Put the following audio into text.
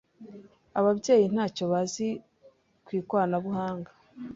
ababyeyi ntacyo bazi ku ikoranabuhanga